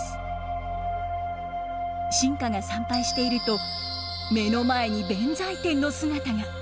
臣下が参拝していると目の前に弁財天の姿が。